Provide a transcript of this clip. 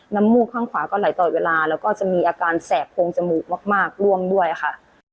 มูกข้างขวาก็ไหลตลอดเวลาแล้วก็จะมีอาการแสบโพงจมูกมากร่วมด้วยค่ะ